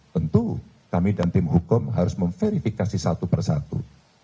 tentu kami dan tim hukum harus memverifikasi satu persatu